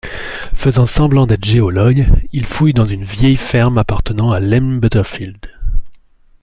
Faisant semblant d'être géologues, ils fouillent dans une vieille ferme appartenant à Lem Butterfield.